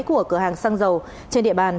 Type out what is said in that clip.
của cửa hàng xăng dầu trên địa bàn